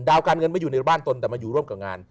การเงินไม่อยู่ในบ้านตนแต่มาอยู่ร่วมกับงาน